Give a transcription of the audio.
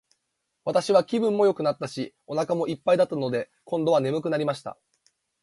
私は気分もよくなったし、お腹も一ぱいだったので、今度は睡くなりました。